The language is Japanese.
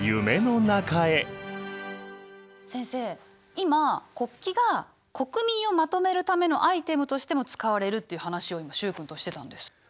今国旗が国民をまとめるためのアイテムとしても使われるという話を今習君としてたんです。